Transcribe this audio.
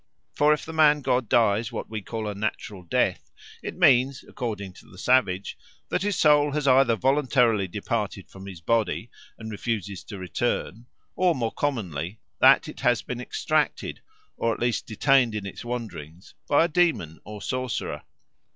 For if the man god dies what we call a natural death, it means, according to the savage, that his soul has either voluntarily departed from his body and refuses to return, or more commonly that it has been extracted, or at least detained in its wanderings, by a demon or sorcerer.